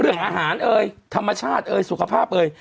เรื่องอาหารเอ่ยธรรมชาติเอ่ยสุขภาพเอ่ย